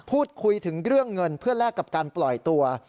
พูดคุยถึงเรื่องเงินเพื่อแลกกับการปล่อยตัว